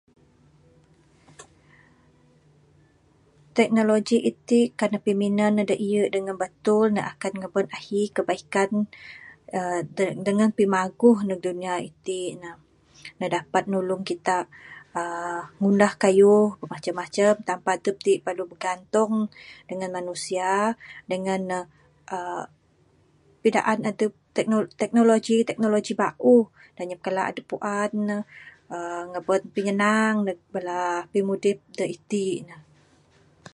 Teknologi iti kan ne piminan ne da iye dengan da betul akan ngeban ahi kebaikan uhh dengan pimaguh ndek dunia iti ne dapat nulung kita uhh ngundah keyuh macam macam tanpa dep t perlu begantung dengan manusia dengan uhh pidaan adep teknologi teknologi bauh dak inyap kala adep puan uhh ngeban pinyenang ndek bala pimudip dak iti ne.